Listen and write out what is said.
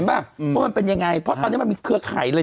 เพราะมันเป็นยังไงเพราะตอนนี้มันมีเครือข่ายเลย